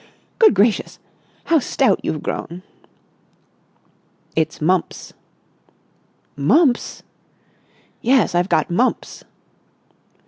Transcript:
"Good gracious! How stout you've grown!" "It's mumps." "Mumps!" "Yes, I've got mumps."